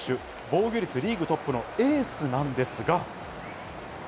防御率リーグトップのエースなんですが。